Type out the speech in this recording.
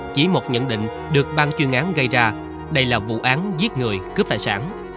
chỉ một nhận định được ban chuyên án gây ra đây là vụ án giết người cướp tài sản